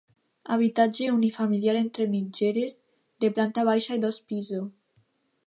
Habitatge unifamiliar entre mitgeres de planta baixa i dos piso.